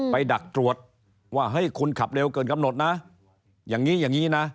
ดักตรวจว่าเฮ้ยคุณขับเร็วเกินกำหนดนะอย่างนี้อย่างนี้นะ